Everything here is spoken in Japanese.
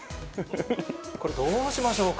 これどうしましょうか？